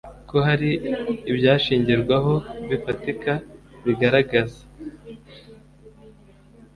ko hari ibyashingirwaho bifatika bigaragaza